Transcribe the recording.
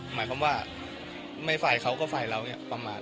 หมายความว่าไม่ฝ่ายเขาก็ฝ่ายเราเนี่ยประมาณ